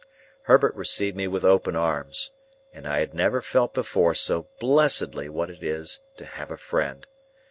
Herbert received me with open arms, and I had never felt before so blessedly what it is to have a friend.